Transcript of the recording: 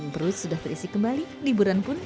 perut sudah terisi kembali liburan pun